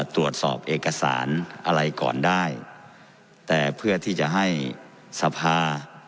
ตรวจสอบเอกสารอะไรก่อนได้แต่เพื่อที่จะให้สภา